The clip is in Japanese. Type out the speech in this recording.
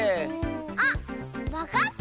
あっわかった！